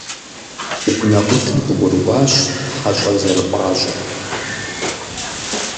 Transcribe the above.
УнэӀутым къыгурыӀуащ хьэщӀэр зэрыпӀащӀэр.